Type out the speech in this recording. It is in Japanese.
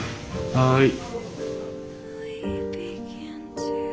はい。